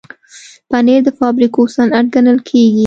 پنېر د فابریکو صنعت ګڼل کېږي.